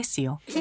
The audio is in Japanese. え！